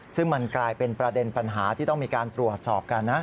ซึ่งมันกลายเป็นประเด็นปัญหาที่ต้องมีการตรวจสอบกันนะ